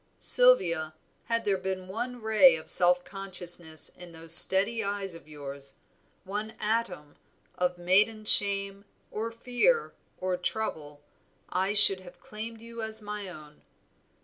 Sylvia, had there been one ray of self consciousness in those steady eyes of yours, one atom of maiden shame, or fear, or trouble, I should have claimed you as my own.